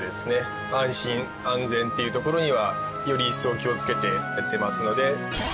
安心安全っていうところにはより一層気をつけてやっていますので。